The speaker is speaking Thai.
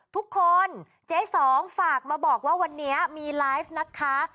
ทุกคนเจ๊สองฝากมาบอกว่าวันนี้มีไลฟ์นะคะ